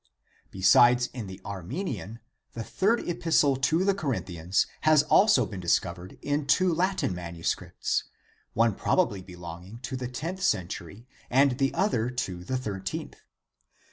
s Besides in the Ar menian, the third epistle to the Corinthians has also been discovered in two Latin MSS., one probably belonging to the loth cent, and the other to the 13th.